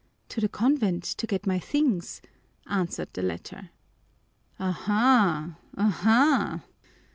"To the convent to get my things," answered the latter. "Ahaa! Aha!